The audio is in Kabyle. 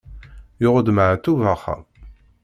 Yuɣ-d Maɛṭub axxam?